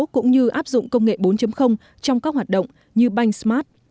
cũng như áp dụng công nghệ bốn trong các hoạt động như banh smart